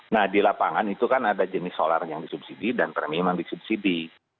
nah di lapangan itu kan ada jenis solar yang disubsidi dan premium yang disubsidi